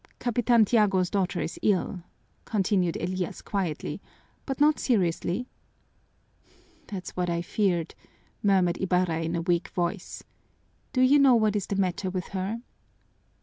"Capitan Tiago's daughter is ill," continued Elias quietly, "but not seriously." "That's what I feared," murmured Ibarra in a weak voice. "Do you know what is the matter with her?"